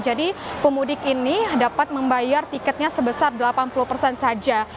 jadi pemudik ini dapat membayar tiketnya sebesar delapan puluh saja